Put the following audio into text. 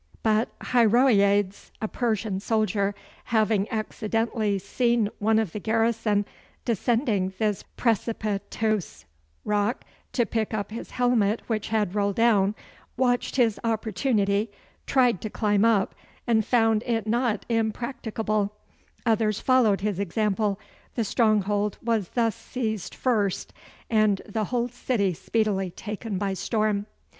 But Hyroeades, a Persian soldier, having accidentally seen one of the garrison descending this precipi tous rock to pick up his helmet which had rolled down, watched his opportunity, tried to climb up, and found it not impracticable; others followed his example, the stronghold was thus seized first, and the whole city speedily taken by storm.